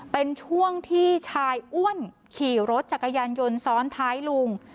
เป็นช่วงที่ชายอ้วนขี่รถจักรยานยนต์ซ้อนท้ายลุง